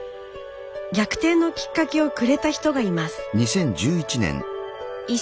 逆転のきっかけをくれた人がいます。